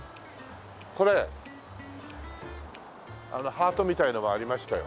ハートみたいなのがありましたよ。